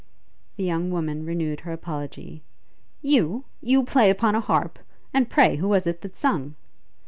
The young woman renewed her apology. 'You? You play upon a harp? And pray who was it that sung?'